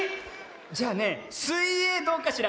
じゃあねすいえいどうかしら？